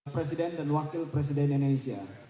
presiden dan wakil presiden indonesia